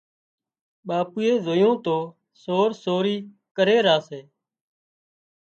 ٻاپوئي زويون تو سور سوري ڪري را سي